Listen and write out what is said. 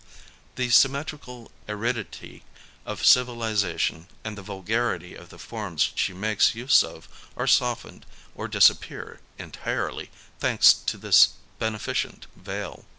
The symmetrical aridity of Civilization and the vulgarity of the forms she makes use of are softened or disappear entirely, thanks to this beneficent veil.